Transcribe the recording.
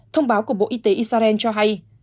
thông báo của bộ y tế israel cho hay